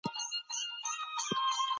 ټیکنالوژي د معلوماتو په شریکولو کې مرسته کوي.